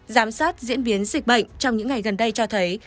giám sát diễn biến dịch bệnh trong những ngày gần đây cho thấy